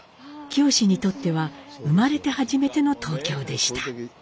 清にとっては生まれて初めての東京でした。